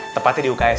tepatnya di uks ya pak